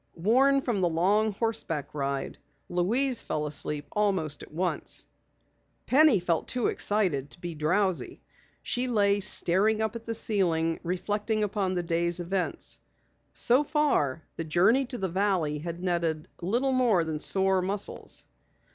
Worn from the long horseback ride, Louise fell asleep almost at once. Penny felt too excited to be drowsy. She lay staring up at the ceiling, reflecting upon the day's events. So far, the journey to the Valley had netted little more than sore muscles.